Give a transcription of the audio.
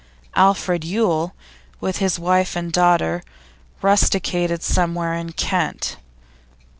Alfred Yule, with his wife and daughter, rusticated somewhere in Kent.